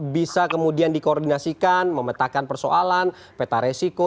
bisa kemudian dikoordinasikan memetakan persoalan peta resiko